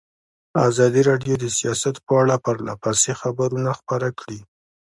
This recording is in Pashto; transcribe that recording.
ازادي راډیو د سیاست په اړه پرله پسې خبرونه خپاره کړي.